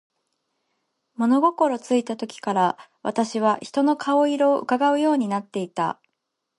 物心ついた時から、私は人の顔色を窺うようになっていた。